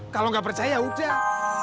kalo gak percaya udah